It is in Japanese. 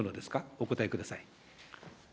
お答えください。